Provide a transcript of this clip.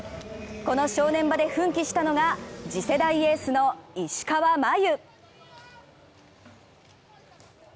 この正念場で奮起したのが次世代エースの石川真佑。